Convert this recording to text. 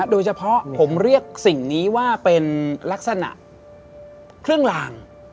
โดยเฉพาะผมเรียกสิ่งนี้ว่าเป็นลักษณะเครื่องลาง